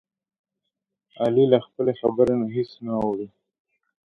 علي له خپلې خبرې نه هېڅ نه اوړوي.